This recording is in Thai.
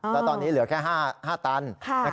แล้วตอนนี้เหลือแค่๕ตัน